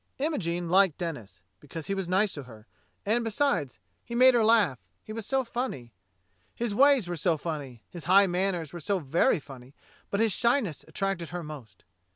Imogene liked Denis because he was nice to her, and, besides, he made her laugh : he was so funny. His ways were so funny, his high manners were so very funny, but his shyness attracted her most.